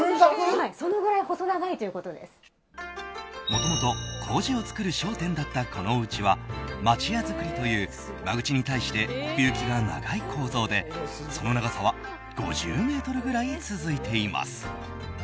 もともと麹を作る商店だったこのおうちは町家造りという間口に対して奥行きが長い構造でその長さは５０ｍぐらい続いています。